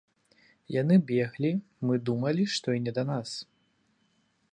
Яны беглі, мы думалі, што і не да нас.